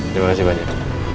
terima kasih banyak